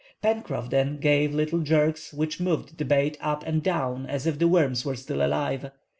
Pencroff then gave little jerks, which moved the bait up and down as if the worms were still alive.